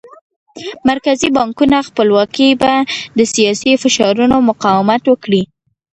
مرکزي بانکونو خپلواکي به د سیاسي فشارونو مقاومت وکړي.